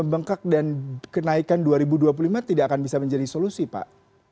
bengkak dan kenaikan dua ribu dua puluh lima tidak akan bisa menjadi solusi pak